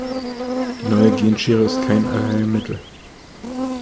Die neue Genschere ist kein Allheilmittel.